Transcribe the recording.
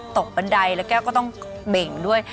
บันไดแล้วแก้วก็ต้องเบ่งด้วย